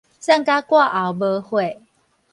散甲割喉無血